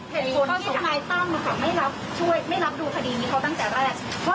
เท่าที่ทนายตั้มไม่ช่วยไม่รับดูคดีนี้เขาตั้งแต่แรก